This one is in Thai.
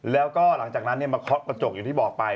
แล้วก็หลังจากนั้นมาเคาะกระจกอย่างที่บอกไป